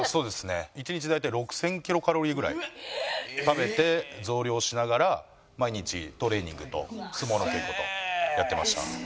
１日大体６０００キロカロリーぐらい食べて増量しながら毎日トレーニングと相撲の稽古とやってました。